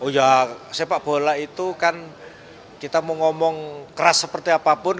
ya sepak bola itu kan kita mau ngomong keras seperti apapun